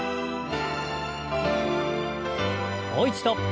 もう一度。